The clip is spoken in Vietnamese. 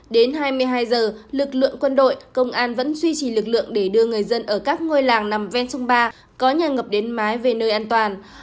đến hai mươi hai giờ lực lượng quân đội công an vẫn duy trì lực lượng để đưa người dân ở các ngôi làng nằm ven sông ba có nhà ngập đến mái về nơi an toàn